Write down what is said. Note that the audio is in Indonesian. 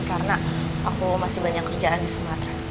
karena aku masih banyak kerjaan di sumatera